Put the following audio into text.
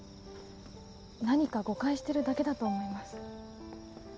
何か誤解してるだけだと思います。